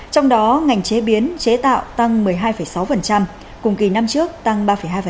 trong đó ngành chế biến chế tạo tăng một mươi hai sáu cùng kỳ năm trước tăng ba hai